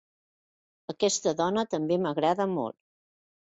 Aquesta dona també m'agrada molt.